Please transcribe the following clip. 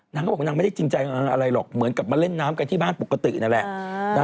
นางก็บอกนางไม่ได้จริงใจอะไรหรอกเหมือนกับมาเล่นน้ำกันที่บ้านปกตินั่นแหละ